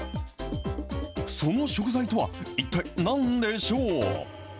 その食材とは、一体なんでしょう？